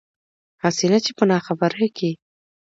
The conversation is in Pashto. هسې نه چې پۀ ناخبرۍ کښې